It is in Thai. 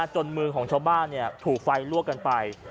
จนมือของชาวบ้านถูกไฟลวกกันไป